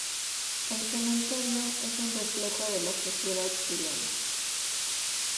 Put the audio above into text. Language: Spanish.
El cementerio es un reflejo de la sociedad chilena.